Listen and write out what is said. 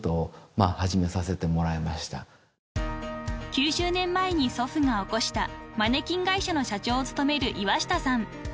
［９０年前に祖父が起こしたマネキン会社の社長を務める岩下さん］